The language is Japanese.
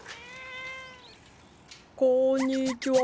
こんにちは。